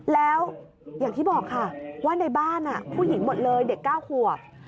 แล้วอย่างที่บอกค่ะว่าในบ้านผู้หญิงหมดเลยเด็ก๙ขวบ